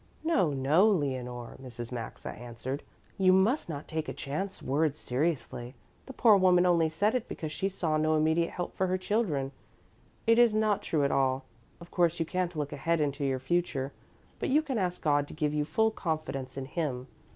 "No, no, Leonore," Mrs. Maxa answered, "you must not take a chance word seriously. The poor woman only said it because she saw no immediate help for her children. It is not true at all. Of course you can't look ahead into your future, but you can ask God to give you full confidence in Him.